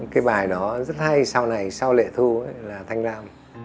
cái bài đó rất hay sau này sau lệ thu ấy là thanh lam